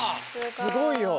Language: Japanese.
すごいよ！